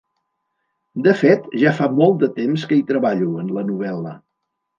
De fet ja fa molt de temps que hi treballo, en la novel·la.